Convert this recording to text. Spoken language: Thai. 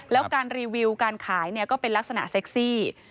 แล้วการรีวิวการขายก็เป็นลักษณะเซ็กซี่